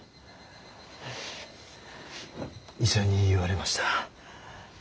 医者に言われました。